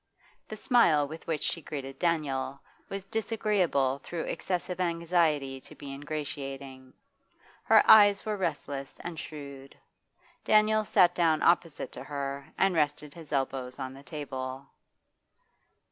The smile with which she greeted Daniel was disagreeable through excessive anxiety to be ingratiating. Her eyes were restless and shrewd. Daniel sat down opposite to her, and rested his elbows on the table.